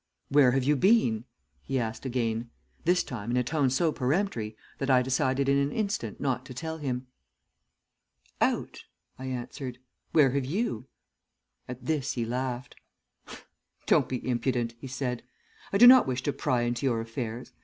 "'Where have you been?' he asked again, this time in a tone so peremptory that I decided in an instant not to tell him. "'Out,' I answered. 'Where have you?' "At this he laughed. "'Don't be impudent,' he said. 'I do not wish to pry into your affairs.